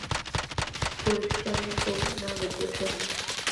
کوردستان یەکە و نابێت بە چوار.